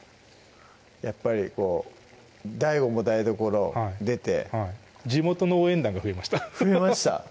やっぱりこうＤＡＩＧＯも台所地元の応援団が増えました増えました？